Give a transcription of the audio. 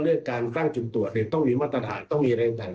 เรื่องการตั้งจุดตรวจต้องมีมาตรฐานต้องมีอะไรต่าง